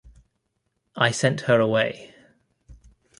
I sent her away.